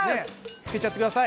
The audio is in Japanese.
つけちゃってください！